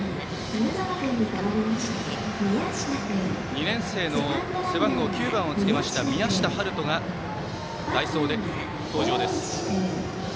２年生の背番号９番をつけました宮下温人が代走で登場です。